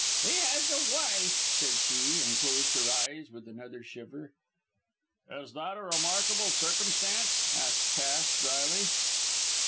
"He has a wife!" said she, and closed her eyes with another shiver. "Is that a remarkable circumstance?" asked Cass, drily.